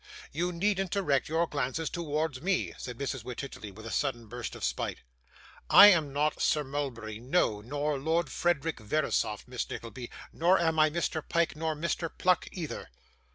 You needn't direct your glances towards me,' said Mrs. Wititterly, with a sudden burst of spite; 'I am not Sir Mulberry, no, nor Lord Frederick Verisopht, Miss Nickleby, nor am I Mr. Pyke, nor Mr. Pluck either.